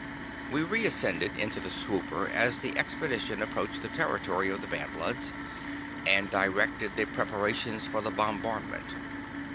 We reascended into the swooper as the expedition approached the territory of the Bad Bloods, and directed the preparations for the bombardment.